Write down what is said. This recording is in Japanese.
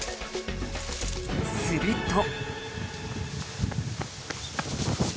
すると。